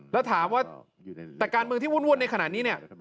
แล้วถามว่าแต่การเมืองที่วุ่นในขณะนี้เนี่ย